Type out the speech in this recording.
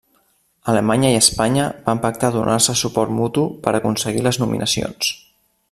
Alemanya i Espanya van pactar donar-se suport mutu per aconseguir les nominacions.